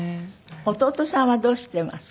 弟さんはどうしてますか？